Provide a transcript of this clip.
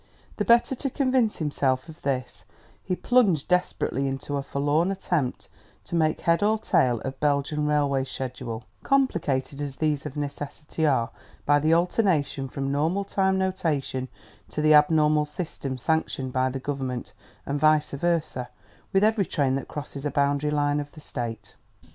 The better to convince himself of this, he plunged desperately into a forlorn attempt to make head or tail of Belgian railway schedule, complicated as these of necessity are by the alternation from normal time notation to the abnormal system sanctioned by the government, and vice versa, with every train that crosses a boundary line of the state.